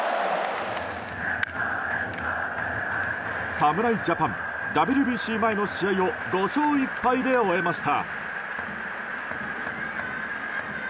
侍ジャパン、ＷＢＣ前の試合を５勝１敗で終えました。